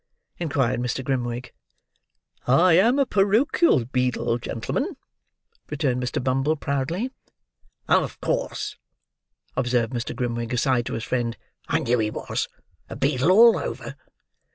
inquired Mr. Grimwig. "I am a porochial beadle, gentlemen," rejoined Mr. Bumble proudly. "Of course," observed Mr. Grimwig aside to his friend, "I knew he was. A beadle all over!"